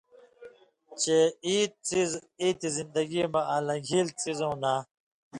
چے اېت څیز (اېتیۡ زِندگی مہ) آں لن٘گھېل څیزؤں نہ